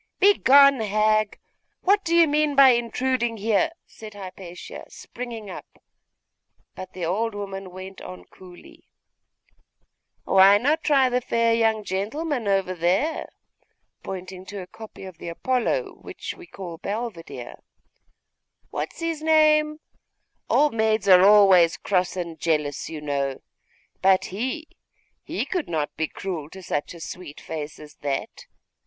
'Begone, hag! What do you mean by intruding here?' said Hypatia, springing up; but the old woman went on coolly 'Why not try the fair young gentleman over there?' pointing to a copy of the Apollo which we call Belvedere 'What is his name? Old maids are always cross and jealous, you know. But he he could not be cruel to such a sweet face as that.